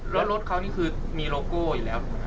แล้วรถเขานี่คือมีโลโก้อยู่แล้ว